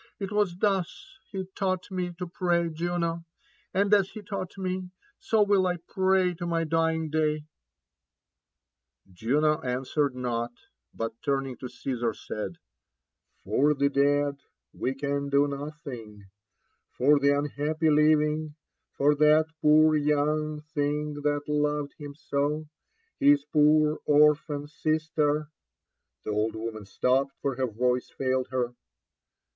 It was thus he tau^t me to pray, Jupo ; and as be taught me, so will I pray to my dying day !" Juno answered not, but turning to Caesar, said, *^ For the dead we can do nothing i ^for the unhappy living ^for that poor young thing that loved him so, — ^his poor orphan sister " The old woman stopped, for her voice failed her.